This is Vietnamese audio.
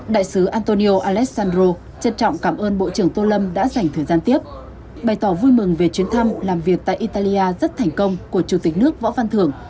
đại sứ antonio alessandro trân trọng cảm ơn bộ trưởng tô lâm đã dành thời gian tiếp bày tỏ vui mừng về chuyến thăm làm việc tại italia rất thành công của chủ tịch nước võ văn thưởng